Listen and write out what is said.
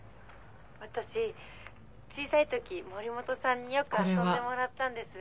「私小さい時森本さんによく遊んでもらったんです」